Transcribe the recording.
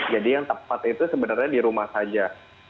jadi yang tepat itu sebenarnya di rumah saja